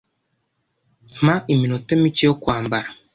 Mpa iminota mike yo kwambara.